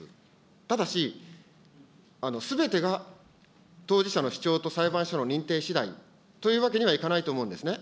ただし、すべてが当事者の主張と裁判所の認定しだいというわけにはいかないと思うんですね。